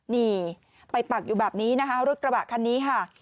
นี่ไปปักอยู่แบบนี้นะคะรถกระบะคันนี้ค่ะ